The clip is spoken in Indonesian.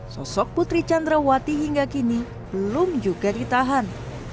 sosok putri candrawati hingga kini belum juga ditahan